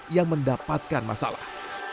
yang mendapatkan masalah